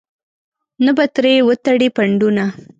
نه به ترې وتړې پنډونه.